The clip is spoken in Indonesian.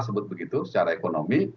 sebut begitu secara ekonomi